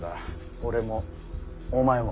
俺もお前も。